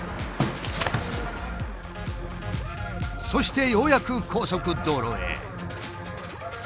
そしてようやく高速道路へ。